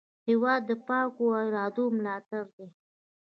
هېواد د پاکو ارادو ملاتړ دی.